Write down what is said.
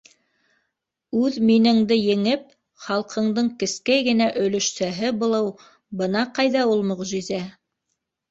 Үҙ минеңде еңеп, халҡыңдың кескәй генә өлөшсәһе булыу - бына ҡайҙа ул мөғжизә!